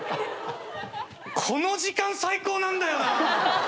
この時間最高なんだよな。